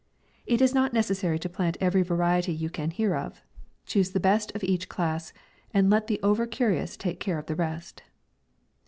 It is not necessary to plant every variety you can hear of. Choose the best of each class, and let the over curious take care of the rest.